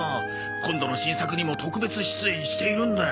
今度の新作にも特別出演しているんだ。